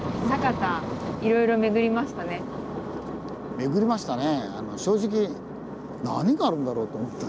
巡りましたね。